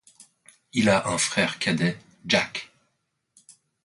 Il a un frère cadet, Jack.